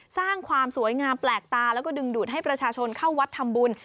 สร้างความสวยงามแปลกตาแล้วก็ดึงดูดให้ประชาชนเข้าวัดทำบุญ